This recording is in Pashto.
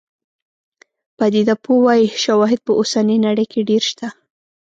پدیده پوه وايي شواهد په اوسنۍ نړۍ کې ډېر شته.